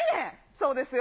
そうですよ。